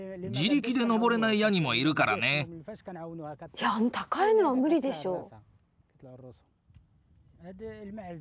いやあの高いのはムリでしょう。